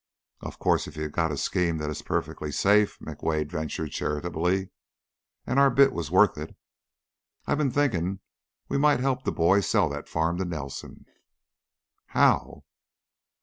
"Of course, if you've got a scheme that is perfectly safe," McWade ventured, charitably, "and our bit was worth it " "I been thinking we might help the boy sell that farm to Nelson." "How?"